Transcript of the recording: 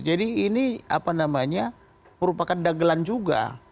jadi ini apa namanya merupakan dagelan juga